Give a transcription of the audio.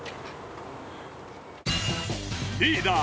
リーダー